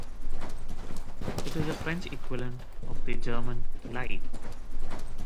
It is the French equivalent of the German "Lied".